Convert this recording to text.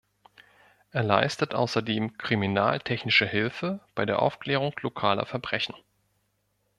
Er leistet außerdem kriminaltechnische Hilfe bei der Aufklärung lokaler Verbrechen.